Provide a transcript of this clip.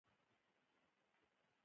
چې د مکروب په فعال شکل کې موجود نه وي.